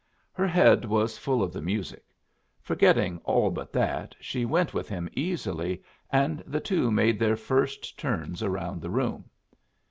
Her head was full of the music. Forgetting all but that, she went with him easily, and the two made their first turns around the room.